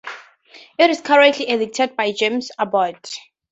It is currently edited by James Abbott.